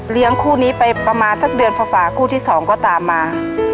เลี้ยงคู่นี้ไปประมาณสักเดือนฝาคู่ที่๒ก็ตามมา